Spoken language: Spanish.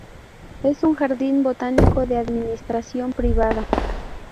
Es un jardín botánico de administración privada.